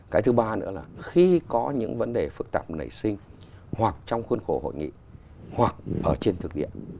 cái thứ ba nữa là khi có những vấn đề phức tạp nảy sinh hoặc trong khuôn khổ hội nghị hoặc ở trên thực địa